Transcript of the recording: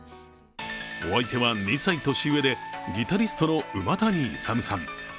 お相手は２歳年上でギタリストの馬谷勇さん。